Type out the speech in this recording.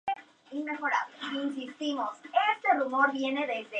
En sus orígenes, la economía se había basado en la cría de ganado vacuno.